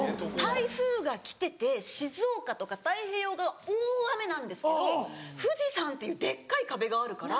台風が来てて静岡とか太平洋側は大雨なんですけど富士山っていうデッカい壁があるから。